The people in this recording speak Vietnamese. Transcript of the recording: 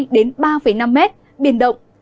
đến ba năm mét biển động